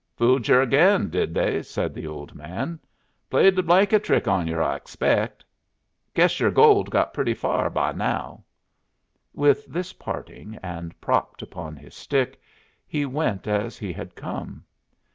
"Fooled yer ag'in, did they?" said the old man. "Played the blanket trick on yer, I expect. Guess yer gold's got pretty far by now." With this parting, and propped upon his stick, he went as he had come.